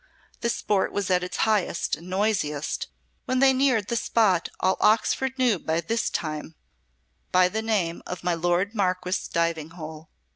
The sport was at its highest and noisiest when they neared the spot all Oxford knew by this time by the name of "my Lord Marquess's diving hole."